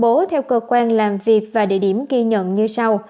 công bố theo cơ quan làm việc và địa điểm ghi nhận như sau